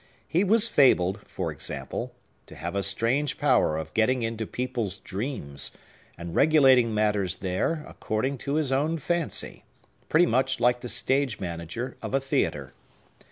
He was fabled, for example, to have a strange power of getting into people's dreams, and regulating matters there according to his own fancy, pretty much like the stage manager of a theatre.